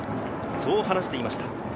そう話していました。